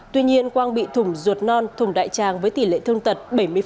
tuy nhiên quang bị thủng ruột non thùng đại tràng với tỷ lệ thương tật bảy mươi